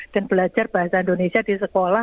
dan belajar bahasa indonesia di sekolah